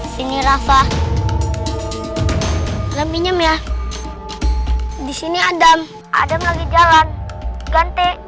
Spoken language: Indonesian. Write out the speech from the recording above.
comunikasi talan ambil anda